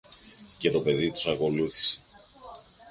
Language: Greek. Και το παιδί τους ακολούθησε.